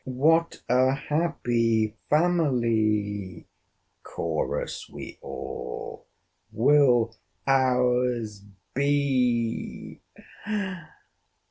'What a happy family,' chorus we all, 'will our's be!